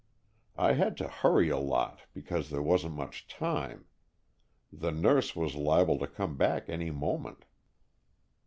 I had to hurry a lot because there wasn't much time. The nurse was liable to come back any moment."